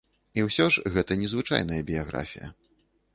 І ўсё ж гэта незвычайная біяграфія.